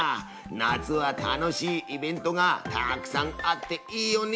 夏は楽しいイベントがたくさんあっていいよね！